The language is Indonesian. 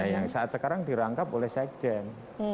yang saat sekarang dirangkap oleh sekjen